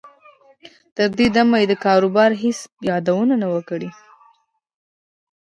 تر دې دمه یې د کاروبار هېڅ یادونه نه وه کړې